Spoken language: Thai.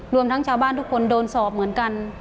รวมทั้งชาวบ้านทุกคนโดนสอบเหมือนกัน